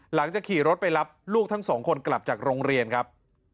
ขี่รถไปรับลูกทั้งสองคนกลับจากโรงเรียนครับ